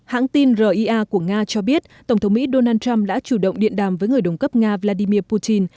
hãng tin ria của nga cho biết tổng thống mỹ donald trump đã chủ động điện đàm với người đồng cấp nga vladimir putin